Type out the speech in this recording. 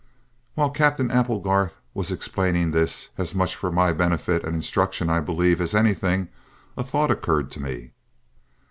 While Captain Applegarth was explaining this, as much for my benefit and instruction, I believe, as anything, a thought occurred to me.